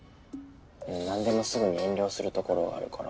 何でもすぐに遠慮するところがあるから。